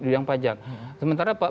yang pajak sementara